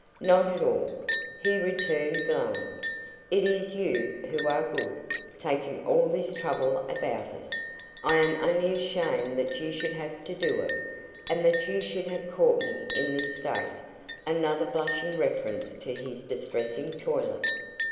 "Not at all," he returned, glowing. "It is you who are good, taking all this trouble about us. I am only ashamed that you should have had to do it, and that you should have caught me in this state" another blushing reference to his distressing toilet.